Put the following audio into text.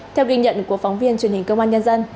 theo ghi nhận của phóng viên truyền hình công an nhân dân